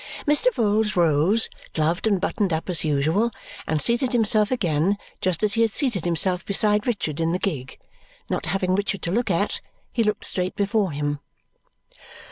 Mr. Vholes rose, gloved and buttoned up as usual, and seated himself again, just as he had seated himself beside Richard in the gig. Not having Richard to look at, he looked straight before him.